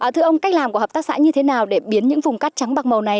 thưa ông cách làm của hợp tác xã như thế nào để biến những vùng cắt trắng bạc màu này